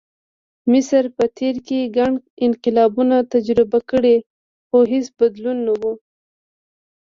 مصر په تېر کې ګڼ انقلابونه تجربه کړي، خو هېڅ بدلون نه و.